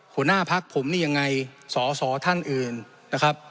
หัวหน้าพักผมนี่ยังไงสอสอท่านอื่นนะครับ